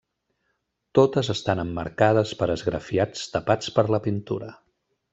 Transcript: Totes estan emmarcades per esgrafiats tapats per la pintura.